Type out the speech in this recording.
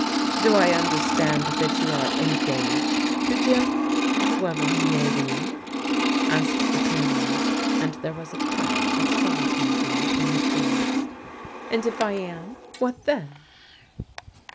"Do I understand that you are engaged to Jim? — whoever he may be," asked the Colonel, and there was a touch of sarcasm in his voice. " And if I am?— what then?